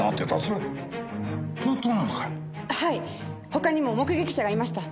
他にも目撃者がいました。